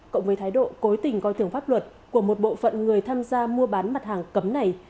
cộng với thái độ cố tình coi thường pháp luật của một bộ phận người tham gia mua bán mặt hàng cấm này